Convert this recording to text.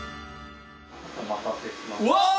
お待たせしました。